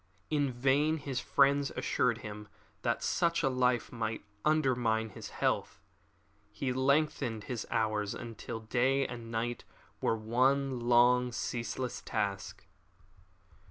In vain his friends assured him that such a life must undermine his health. He lengthened his hours until day and night were one long, ceaseless task.